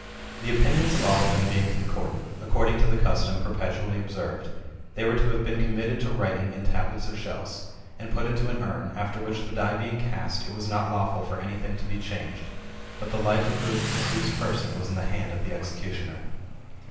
The opinions of all of them being concordant, according to a custom perpetually observed, they were to have been committed to writing [in tablets or shells], and put into an urn, after which the die being cast, it was not lawful for any thing to be changed, but the life of the accused person was in the hands of the execu tioner.